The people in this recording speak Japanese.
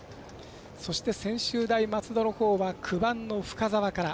そして、専修大松戸のほうは９番の深沢から。